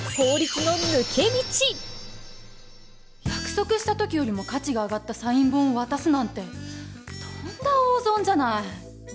約束した時よりも価値が上がったサイン本を渡すなんてとんだ大損じゃない！